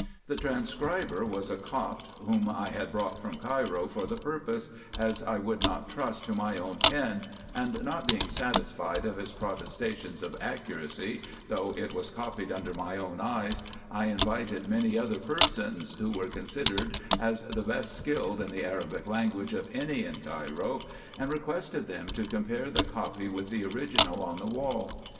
The transcriber was a Copt> whom I had brought from Cairo for the purpose, as I would not trust to my own pen ; and not being satisfied of his protestations of accuracy, though it was copied under ray own eyes, I invited many other persons, who were considered as the best skilled in the Arabic language of any in Cairo, and requested them to compare the copy with the original on the wall.